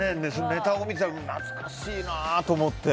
ネタを見たら懐かしいなって思って。